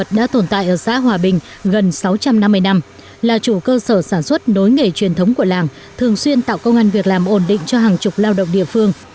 các sở sản xuất đối nghề truyền thống của làng thường xuyên tạo công an việc làm ổn định cho hàng chục lao động địa phương